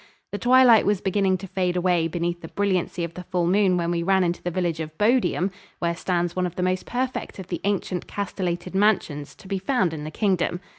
The twilight was beginning to fade away beneath the brilliancy of the full moon when we ran into the village of Bodiam, where stands one of the most perfect of the ancient castellated mansions to be found in the Kingdom.